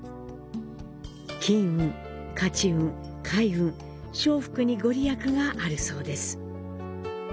金運、勝ち運、開運、招福にご利益があるそうです。